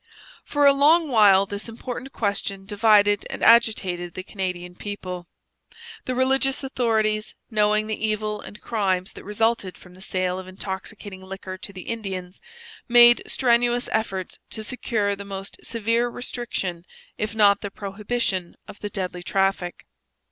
For a long while this important question divided and agitated the Canadian people. The religious authorities, knowing the evil and crimes that resulted from the sale of intoxicating liquor to the Indians, made strenuous efforts to secure the most severe restriction if not the prohibition of the deadly traffic.